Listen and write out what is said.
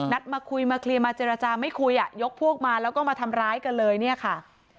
มาคุยมาเคลียร์มาเจรจาไม่คุยอ่ะยกพวกมาแล้วก็มาทำร้ายกันเลยเนี่ยค่ะ